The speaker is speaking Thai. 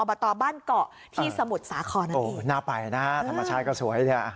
บตบ้านเกาะที่สมุทรสาครโอ้น่าไปนะฮะธรรมชาติก็สวยเนี่ย